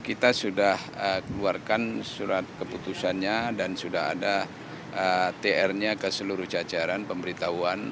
kita sudah keluarkan surat keputusannya dan sudah ada tr nya ke seluruh jajaran pemberitahuan